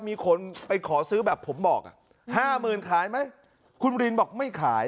มีคนไปขอซื้อแบบผมบอกอ่ะห้าหมื่นขายไหมคุณบรินบอกไม่ขาย